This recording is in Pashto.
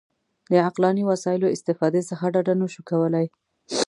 د عقلاني وسایلو استفادې څخه ډډه نه شو کولای.